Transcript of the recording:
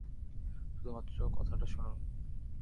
শুধুমাত্র কথাটা শুনুন।